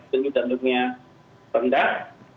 demi dandungnya rendah